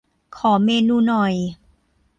ขอเมนูหน่อย